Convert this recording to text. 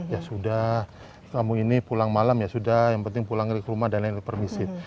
ya sudah kamu ini pulang malam ya sudah yang penting pulang ke rumah dan lain lain permisi